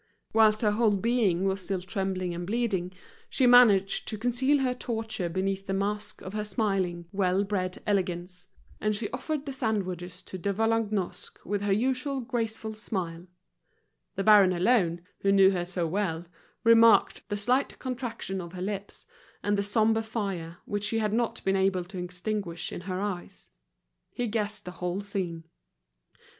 Whilst her whole being was still trembling and bleeding, she managed to conceal her torture beneath the mask of her smiling, well bred elegance. And she offered the sandwiches to De Vallagnosc with her usual graceful smile. The baron alone, who knew her so well, remarked, the slight contraction of her lips, and the sombre fire, which she had not been able to extinguish in her eyes. He guessed the whole scene.